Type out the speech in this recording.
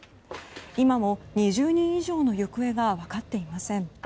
今も２０人以上の行方が分かっていません。